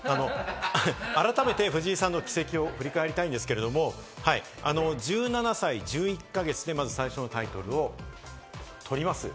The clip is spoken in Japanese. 改めて藤井さんの軌跡を振り返りたいんですが、１７歳１１か月でまず最初のタイトルを取ります。